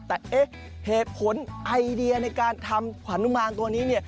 แต่เอ๊ะเหตุผลไอเดียในการทำขวานุมานตัวนี้